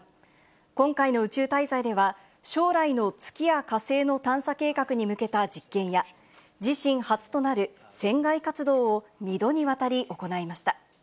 今回の宇宙滞在では将来の月や火星の探査計画に向けた実験や、自身初となる船外活動を２度にわたり行いました。